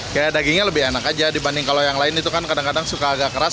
kayak dagingnya lebih enak aja dibanding kalau yang lain itu kan kadang kadang suka agak keras